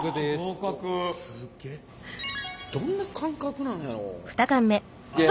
どんな感覚なんやろ。